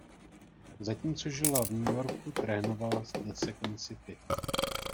Zatímco žila v New Yorku trénovala s The Second City.